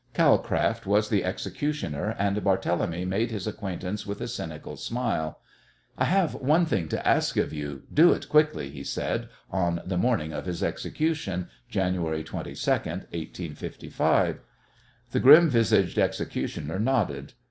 Calcraft was the executioner, and Barthélemy made his acquaintance with a cynical smile. "I have one thing to ask of you do it quickly," he said, on the morning of his execution, January 22nd, 1855. The grim visaged executioner nodded.